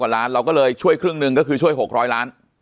ล้านเราก็เลยช่วยครึ่งหนึ่งก็คือช่วย๖๐๐ล้าน